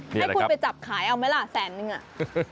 ให้คุณไปจับขายเอาไหมล่ะแสนนึงอะ